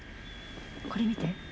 これ見て。